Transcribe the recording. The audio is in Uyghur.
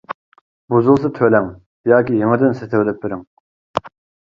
بۇزۇلسا تۈلەڭ، ياكى يېڭىدىن سېتىۋېلىپ بېرىڭ.